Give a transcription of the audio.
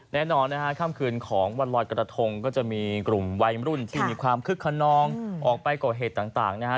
แน่นอนนะฮะค่ำคืนของวันลอยกระทงก็จะมีกลุ่มวัยรุ่นที่มีความคึกขนองออกไปก่อเหตุต่างนะฮะ